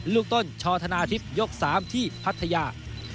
ลูกต้นชอธนาทิพย์ยก๓ที่พัทยา